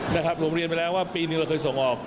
นะครับผมเรียนไปแล้วว่าปีหนึ่งเราเคยส่งออก